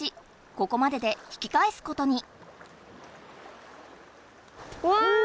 ここまでで引きかえすことに。わ！